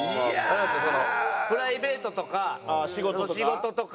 プライベートとか仕事とか。